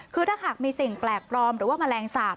คือถ้าหากมีสิ่งแปลกปลอมหรือว่าแมลงสาป